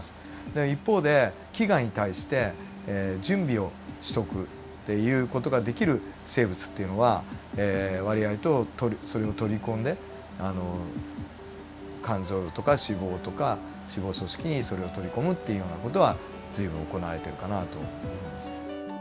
で一方で飢餓に対して準備をしとくっていう事ができる生物っていうのは割合とそれを取り込んで肝臓とか脂肪とか脂肪組織にそれを取り込むっていうような事は随分行われているかなと思います。